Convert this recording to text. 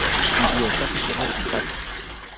Iriotaki shewori antari